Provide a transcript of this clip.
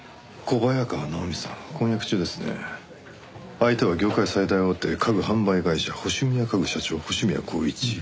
相手は業界最大大手家具販売会社星宮家具社長星宮光一。